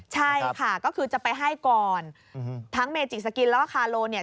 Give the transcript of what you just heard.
ใช่ค่ะก็คือจะไปให้ก่อนทั้งเมจิสกินแล้วก็คาโลเนี่ย